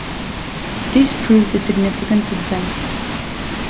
This proved a significant advantage.